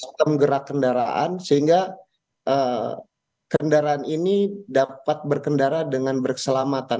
sistem gerak kendaraan sehingga kendaraan ini dapat berkendara dengan berkeselamatan